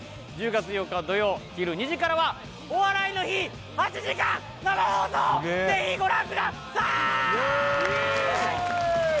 １０月８日土曜昼２時からは「お笑いの日」８時間生放送ぜひご覧くださーい！